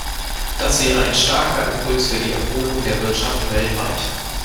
Das wäre ein starker Impuls für die Erholung der Wirtschaft weltweit.